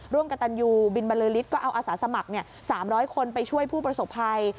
ร่วมกับดันยูบิลมาเรอริศก็เอาอสาสมัครเนี่ยสามร้อยคนไปช่วยผู้ปรสมภัย